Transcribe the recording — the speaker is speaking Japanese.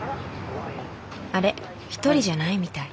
あれ１人じゃないみたい。